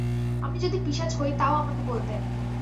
আমি যদি পিশাচ হই, তাও আমাকে বলবেন।